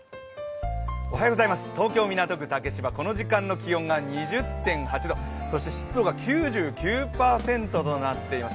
東京・港区竹芝、この時間の気温が２０．８度、そして湿度が９９％となっています。